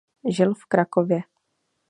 Žil v Krakově.